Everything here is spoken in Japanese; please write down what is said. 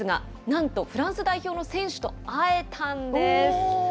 なんとフランス代表の選手と会えたんです。